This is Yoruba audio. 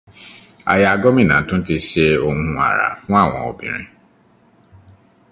Aya gómìnà tún ti ṣe ohun àrà fún àwọn obìnrin.